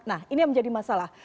nah ini yang menjadi masalah